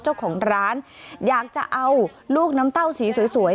เจ้าของร้านอยากจะเอาลูกน้ำเต้าสีสวย